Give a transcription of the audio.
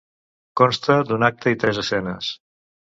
Consta d'un acte i tres escenes.